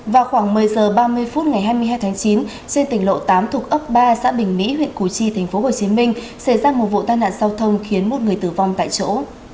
vào khoảng một mươi h ba mươi phút ngày hai mươi hai tháng chín trên tỉnh lộ tám thuộc ấp ba xã bình mỹ huyện củ chi tp hcm xảy ra một vụ tai nạn giao thông khiến một người tử vong tại chỗ